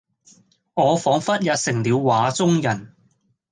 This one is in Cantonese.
我彷彿也成了畫中人